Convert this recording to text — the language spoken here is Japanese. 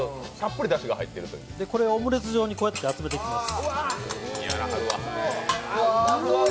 これをオムレツ状にたっぷり集めていきます。